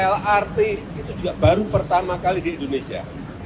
lrt itu juga baru pertama kali di indonesia